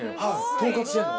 統括してんの？